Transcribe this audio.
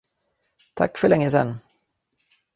Tack för längesen!